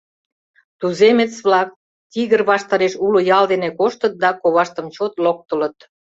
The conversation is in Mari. — Туземец-влак тигр ваштареш уло ял дене коштыт да коваштым чот локтылыт.